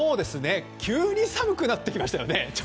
急に寒くなってきましたよね。